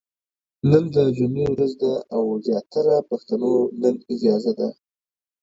نن د جمعې ورځ ده او زياتره پښتنو نن اجازه ده ،